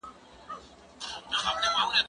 زدکړه د ښوونکي له خوا ښوول کيږي،